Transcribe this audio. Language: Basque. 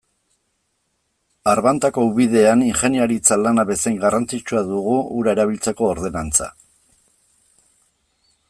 Arbantako ubidean ingeniaritza lana bezain garrantzitsua dugu ura erabiltzeko ordenantza.